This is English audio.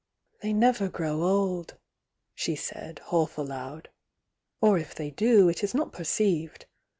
"They never grow old!" she said, half aloud. "Or U they do, it is not perceived.